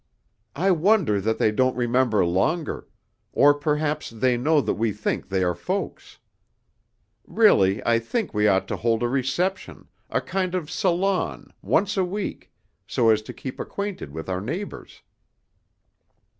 "I wonder that they don't remember longer, or perhaps they know that we think they are folks. Really, I think we ought to hold a reception, a kind of salon, once a week, so as to keep acquainted with our neighbors."